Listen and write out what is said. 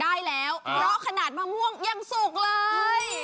ได้แล้วเพราะขนาดมะม่วงยังสุกเลย